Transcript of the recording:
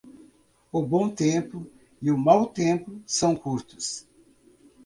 O bom tempo e o mau tempo são curtos.